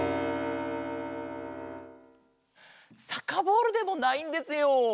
サッカーボールでもないんですよ。